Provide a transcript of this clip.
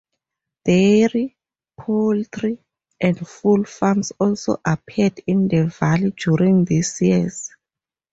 Dairy, poultry and fur farms also appeared in the Valley during these years.